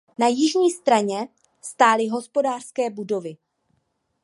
Na jižní straně stály hospodářské budovy.